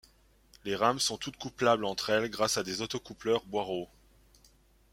Les rames sont toutes couplables entre elles grâce à des autocoupleurs Boirault.